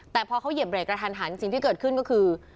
แต่พอเขาเหยียบเรกกระทันหันสิ่งที่เกิดขึ้นก็คือ